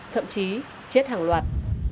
thậm chí chết hàng loạt